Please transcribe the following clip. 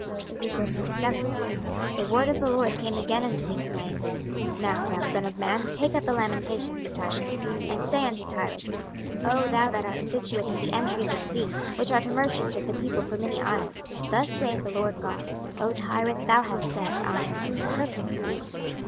26:027:001 The word of the LORD came again unto me, saying, 26:027:002 Now, thou son of man, take up a lamentation for Tyrus; 26:027:003 And say unto Tyrus, O thou that art situate at the entry of the sea, which art a merchant of the people for many isles, Thus saith the Lord GOD; O Tyrus, thou hast said, I am of perfect beauty.